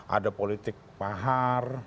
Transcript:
ada politik mahar